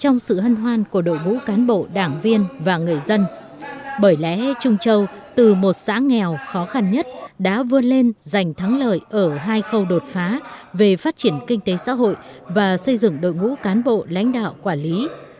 nhé trung châu từ một xã nghèo khó khăn nhất đã vươn lên giành thắng lợi ở hai khâu đột phá về phát triển kinh tế xã hội và xây dựng đội ngũ cán bộ lãnh đạo quản lý